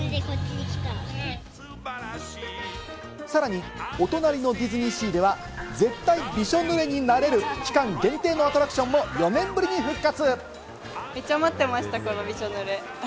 さらにお隣のディズニーシーでは絶対びしょ濡れになれる期間限定のアトラクションも４年ぶりに復活。